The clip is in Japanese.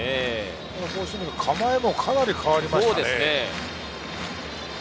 こうして見ると、構えもかなり変わりましたね。